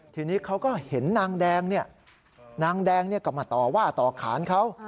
ทีนี้เขาก็เห็นนางแดงนางแดงก็มาต่อว่าต่อขานเขา